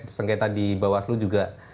disengketa di bawah slu juga